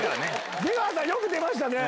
出川さんよく出ましたね。